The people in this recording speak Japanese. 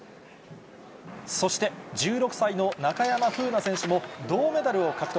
そして、１６歳の中山楓奈選手も、銅メダルを獲得。